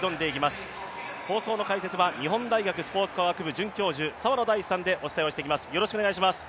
放送の解説は日本大学スポーツ科学部准教授、澤野大地さんとお伝えしていきます。